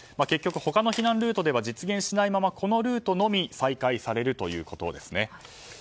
結局、他の避難ルートでは実現しないままこのルートのみ再開されるということです。